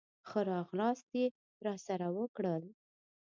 ښه راغلاست یې راسره وکړل.